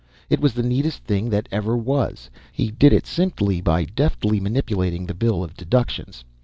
It was the neatest thing that ever was. He did it simply by deftly manipulating the bill of "DEDUCTIONS."